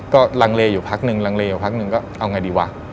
ก็รางเลอยู่พักหนึ่งก็เอาไงดีวะ